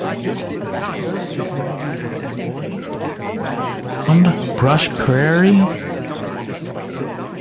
It serves the communities of Amboy, Battle Ground, Brush Prairie and Yacolt.